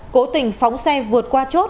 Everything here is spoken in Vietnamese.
cố tình phóng xe vượt qua chốt